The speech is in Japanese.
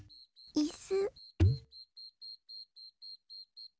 いす！